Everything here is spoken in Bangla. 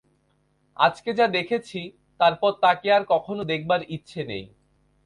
আজকে যা দেখেছি, তারপরে তাকে আর কখনো দেখবার ইচ্ছে নেই।